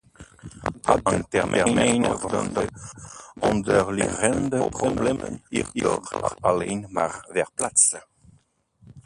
Op de lange termijn worden de onderliggende problemen hierdoor alleen maar verplaatst.